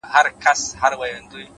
مثبت لیدلوری نیمه حل لاره ده’